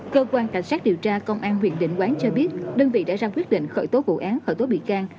cơ quan cảnh sát điều tra công an huyện định quán cho biết đơn vị đã ra quyết định khởi tố vụ án khởi tố bị can